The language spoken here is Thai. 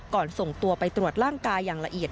ส่งตัวไปตรวจร่างกายอย่างละเอียด